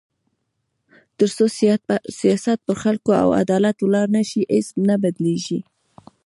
تر څو سیاست پر خلکو او عدالت ولاړ نه شي، هیڅ نه بدلېږي.